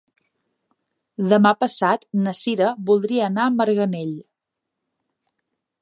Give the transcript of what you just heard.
Demà passat na Cira voldria anar a Marganell.